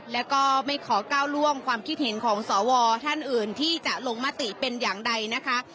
แล้วก็ไม่ขอก้าวล่วงความคิดเห็นของสวท่านอื่นที่จะลงมติเป็นอย่างใดนะคะ